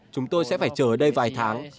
chúng tôi sẽ phải chờ ở đây vài tháng